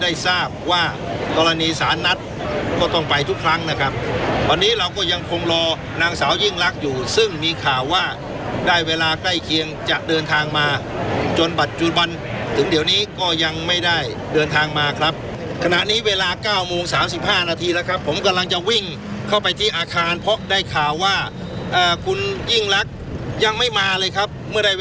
ทราบว่ากรณีสารนัดก็ต้องไปทุกครั้งนะครับวันนี้เราก็ยังคงรอนางสาวยิ่งรักอยู่ซึ่งมีข่าวว่าได้เวลาใกล้เคียงจะเดินทางมาจนปัจจุบันถึงเดี๋ยวนี้ก็ยังไม่ได้เดินทางมาครับขณะนี้เวลาเก้าโมงสามสิบห้านาทีแล้วครับผมกำลังจะวิ่งเข้าไปที่อาคารเพราะได้ข่าวว่าคุณยิ่งรักยังไม่มาเลยครับเมื่อได้